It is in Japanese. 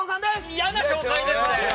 いやな紹介ですね！